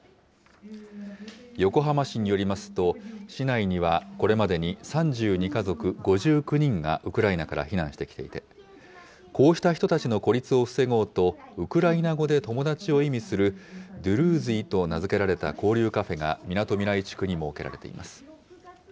横浜市によりますと、市内にはこれまでに３２家族５９人がウクライナから避難してきていて、こうした人たちの孤立を防ごうと、ウクライナ語で友達を意味するドゥルーズィと名付けられた交流カフェが、みなとみらい地区に設けられています。